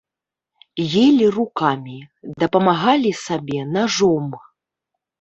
Елі рукамі, дапамагалі сабе нажом.